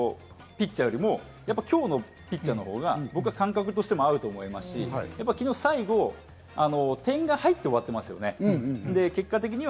昨日のピッチャーよりも今日のピッチャーの方が僕は感覚としても合うと思いますし、昨日最後、点が入って終わってますよね。